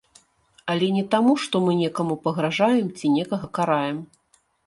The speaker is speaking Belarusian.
Але не таму, што мы некаму пагражаем ці некага караем.